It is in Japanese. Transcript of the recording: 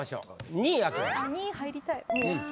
２位入りたい。